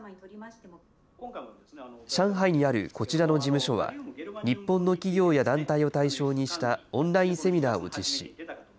上海にあるこちらの事務所は、日本の企業や団体を対象にしたオンラインセミナーを実施。